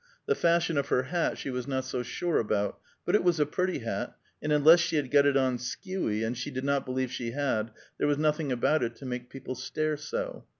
The fashion of her hat she was not so sure about, but it was a pretty hat, and unless she had got it on skewy, and she did not believe she had, there was nothing about it to make people stare so.